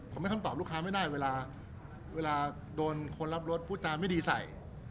ผมให้คำตอบลูกค้าไม่ได้เวลาโดนคนรับรถพูดจาไม่ดีใส่